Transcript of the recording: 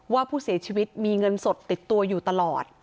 ว่าผู้เสียชีวิตมีเงินสดติดตัวอยู่ตลอด